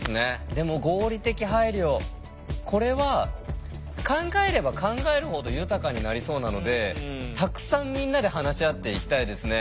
でも合理的配慮これは考えれば考えるほど豊かになりそうなのでたくさんみんなで話し合っていきたいですね。